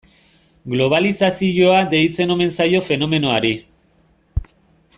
Globalizazioa deitzen omen zaio fenomenoari.